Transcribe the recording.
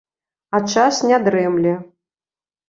А час не дрэмле.